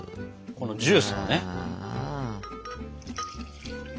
このジュースもね。